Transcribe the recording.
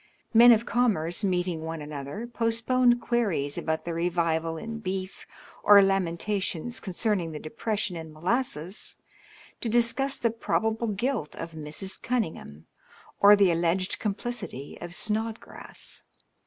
Men of commerce, meeting one another, postponed queries about the revival in beef or lamentations concerning the depression in molasses, to discuss the probable guilt of Mrs. Cunningham or the allied complicity of Sno(^rass.